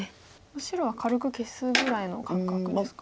白は軽く消すぐらいの感覚ですか。